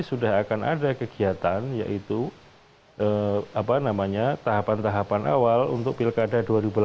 sudah akan ada kegiatan yaitu tahapan tahapan awal untuk pilkada dua ribu delapan belas